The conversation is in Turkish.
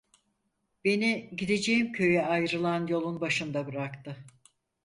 Beni gideceğim köye ayrılan yolun başında bıraktı.